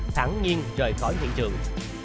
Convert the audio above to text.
thẳng nhiên rời khỏi hiện trường